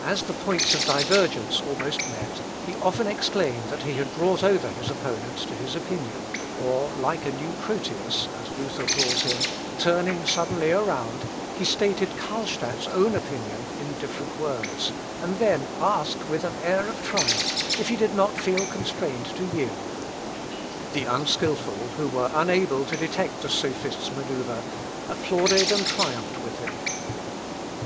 As the points of divergence almost met, he often exclaimed that he had brought over his opponent to his opinion, or like a new Proteus, as Luther calls him, turning suddenly round, he stated Carlstadt's own opinion in different words, and then asked, with an air of triumph, if he did not feel constrained to yield. The unskilful, who were unable to detect the sophist's manœuvre, applauded and triumphed with him....